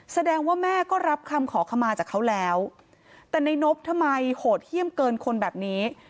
แสดงว่าแม่ก็รับคำขอขมาจากเขาแล้วแต่ในนบทำไมโหดเยี่ยมเกินคนแบบนี้